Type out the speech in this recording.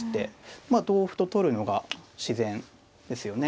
まあ同歩と取るのが自然ですよね。